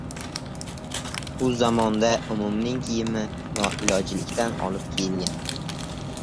U zamonda umumning kiyimi noilojlikdan olib kiyilgan.